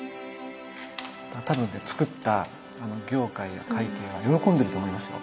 多分つくった行快や快慶は喜んでると思いますよ。